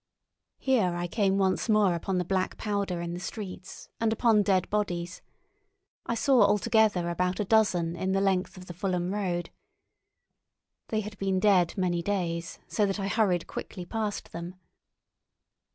Here I came once more upon the black powder in the streets and upon dead bodies. I saw altogether about a dozen in the length of the Fulham Road. They had been dead many days, so that I hurried quickly past them.